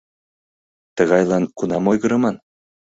Тыгайлан кунам ойгырыман?